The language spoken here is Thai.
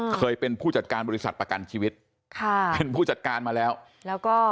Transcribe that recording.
เคยเป็นผู้จัดการบริษัทประกันชีวิตค่ะเป็นผู้จัดการมาแล้วแล้วก็